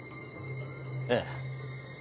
ええ。